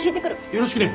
よろしくね。